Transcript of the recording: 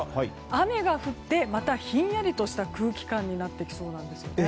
雨が降って、またひんやりとした空気感になってきそうなんです。